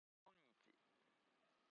こんにち